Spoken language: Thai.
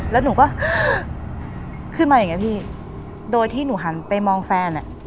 แล้วหนูก็ขึ้นมาอย่างเงี้พี่โดยที่หนูหันไปมองแฟนอ่ะ